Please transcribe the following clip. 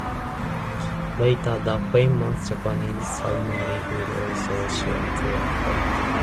Later, the famous Japanese submarine would also share their fate.